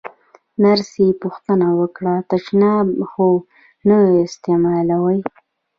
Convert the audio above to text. نرسې پوښتنه وکړه: تشناب خو نه استعمالوې؟